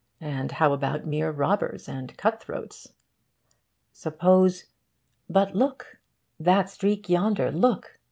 And how about mere robbers and cutthroats? Suppose but look! that streak, yonder, look!